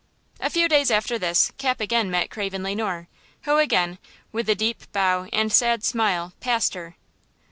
A few days after this Cap again met Craven Le Noir, who again, with a deep bow and sad smile, passed her.